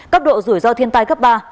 cấp độ rủi ro thiên tai cấp ba